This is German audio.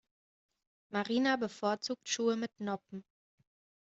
Marina bevorzugt Schuhe mit Noppen.